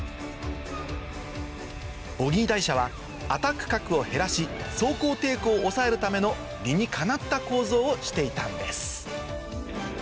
ボギー台車はアタック角を減らし走行抵抗を抑えるための理にかなった構造をしていたんです